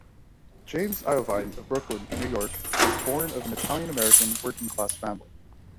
James Iovine was born in Brooklyn, New York to an Italian-American working class family.